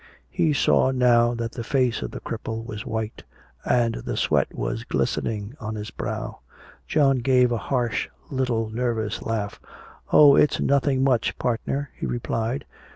He saw now that the face of the cripple was white and the sweat was glistening on his brow. John gave a harsh little nervous laugh. "Oh, it's nothing much, partner," he replied.